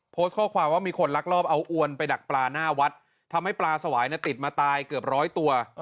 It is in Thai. โพสต์ข้อความว่ามีคนลักลอบเอาอวนไปดักปลาหน้าวัดทำให้ปลาสวายติดมาตายเกือบร้อยตัว